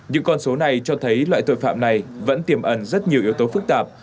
những con số này cho thấy loại tội phạm này vẫn tiềm ẩn rất nhiều yếu tố phức tạp